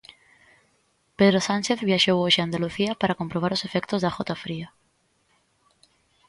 Pedro Sánchez viaxou hoxe a Andalucía para comprobar os efectos da gota fría.